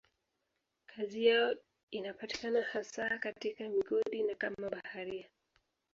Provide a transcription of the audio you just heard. Kazi yao inapatikana hasa katika migodi na kama mabaharia.